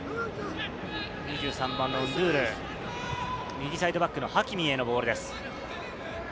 右サイドバックのハキミへのボールです。